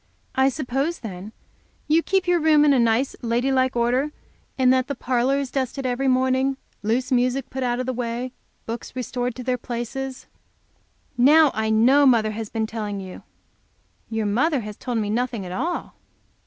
"I suppose, then, you keep your room in nice lady like order, and that the parlor is dusted every morning, loose music put out of the way, books restored to their places " "Now I know mother has been telling you." "Your mother has told me nothing at all."